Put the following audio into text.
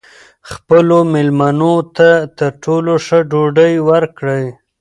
خپلو مېلمنو ته تر ټولو ښه ډوډۍ ورکړئ.